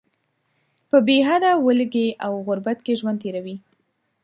په بې حده ولږې او غربت کې ژوند تیروي.